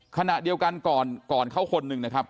ขณะเดียวกันก่อนเขาคนหนึ่งนะครับ